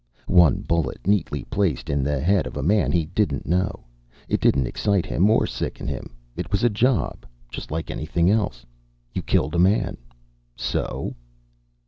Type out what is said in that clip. One bullet, neatly placed in the head of a man he didn't know. It didn't excite him or sicken him. It was a job, just like anything else. You killed a man. So?